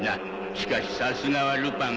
しかしさすがはルパン。